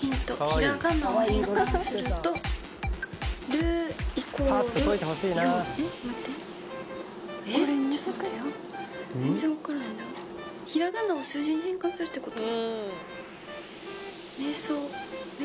ひらがなを数字に変換するってこと？